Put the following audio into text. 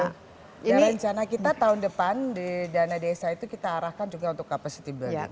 dan rencana kita tahun depan di dana desa itu kita arahkan juga untuk capacity building